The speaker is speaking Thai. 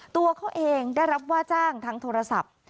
ตัวเขาเองได้รับว่าจ้างทางโทรศัพท์